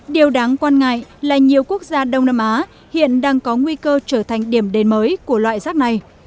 điều đáng quan ngại là nhiều quốc gia đông nam á hiện đang có nguy cơ trở thành điểm đến mới của loại rác này